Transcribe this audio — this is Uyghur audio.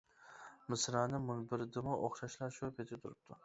مىسرانىم مۇنبىرىدىمۇ ئوخشاشلا شۇ پېتى تۇرۇپتۇ.